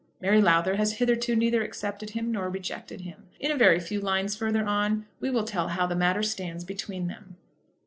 Mary Lowther has hitherto neither accepted nor rejected him. In a very few lines further on we will tell how the matter stands between them.